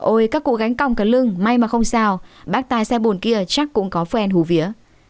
ôi các cụ gánh cong cả lưng may mà không sao bác tài xe bồn kia chắc cũng có phèn hù vía